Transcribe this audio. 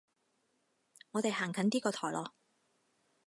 我哋行近啲個台囉